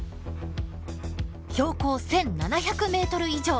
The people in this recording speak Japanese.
標高１，７００ｍ以上！